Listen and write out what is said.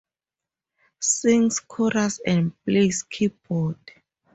Sings chorus and plays keyboard.